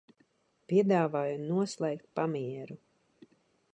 Piedāvāju noslēgt pamieru.